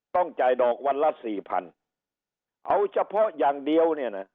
ต้องจ่ายดอกวันละสี่พันเอาเฉพาะอย่างเดียวเนี่ยนะ